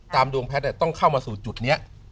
ดวงแพทย์ต้องเข้ามาสู่จุดนี้